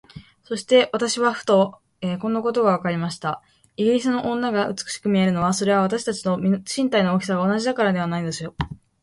それで私はふと、こんなことがわかりました。イギリスの女が美しく見えるのは、それは私たちと身体の大きさが同じだからなのでしょう。